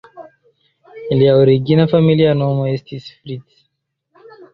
Lia origina familia nomo estis "Fritz".